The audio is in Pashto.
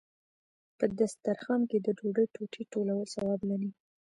په دسترخان کې د ډوډۍ ټوټې ټولول ثواب دی.